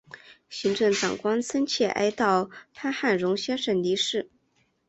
行政长官深切哀悼潘汉荣先生离世